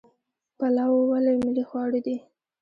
پلاو ولې ملي خواړه دي؟